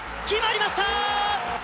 決まりました。